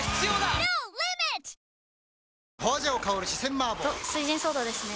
麻婆・と「翠ジンソーダ」ですね